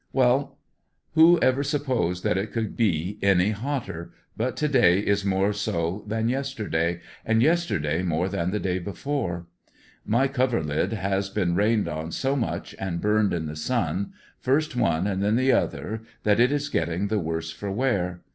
—Well, who ever supposed that it could be any hotter; but to day is more so than yesterdaj^ and yesterday more than the day before. My coverlid has been rained on so much and burned in the sun, first one and then the other, that it is getting the worse for wear.